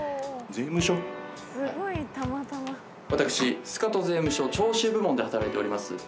私スカト税務署徴収部門で働いております